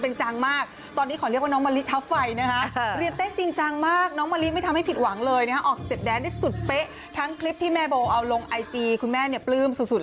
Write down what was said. พักหลังเนี่ยเห็นคลิปน้องมาลี้เนี่ยเต้นบ่อยมากเลยน่ะขัก